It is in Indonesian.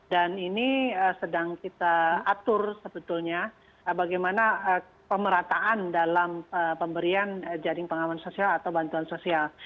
dan ini sedang kita atur sebetulnya bagaimana pemerataan dalam pemberian jaring pengaman sosial atau bantuan sosial